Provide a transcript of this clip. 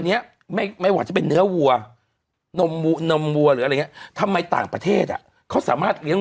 นมนมวัวหรืออะไรเงี้ยทำไมต่างประเทศอ่ะเขาสามารถเลี้ยง